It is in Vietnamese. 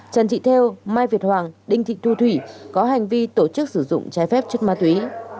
trần thị theo mai việt hoàng đinh thị thu thủy có hành vi tổ chức sử dụng trái phép chất ma túy